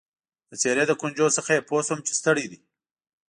د څېرې له ګونجو څخه يې پوه شوم چي ستړی دی.